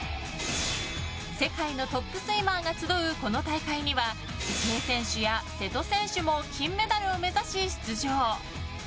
世界のトップスイマーが集うこの大会には池江選手や瀬戸選手も金メダルを目指し、出場。